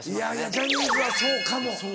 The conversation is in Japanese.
ジャニーズはそうかも。